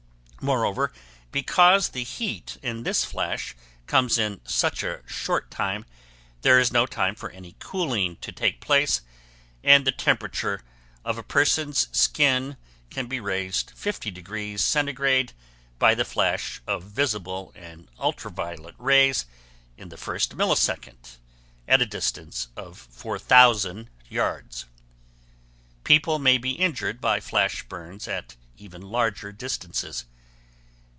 Moreover, because the heat in this flash comes in such a short time, there is no time for any cooling to take place, and the temperature of a person's skin can be raised 50 degrees centigrade by the flash of visible and ultra violet rays in the first millisecond at a distance of 4,000 yards. People may be injured by flash burns at even larger distances.